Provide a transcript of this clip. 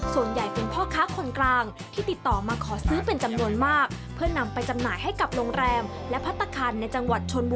ส่วนใหญ่เป็นพ่อค้าคนกลาง